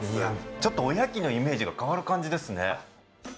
ちょっと、おやきのイメージが変わる感じですね。